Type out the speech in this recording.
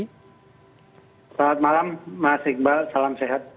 selamat malam mas iqbal salam sehat